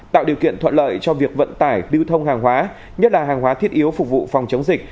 tạo điều kiện thuận lợi cho việc vận tải lưu thông hàng hóa nhất là hàng hóa thiết yếu phục vụ phòng chống dịch